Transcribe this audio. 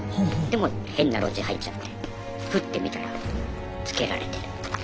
でもう変な路地入っちゃってふって見たらつけられてる。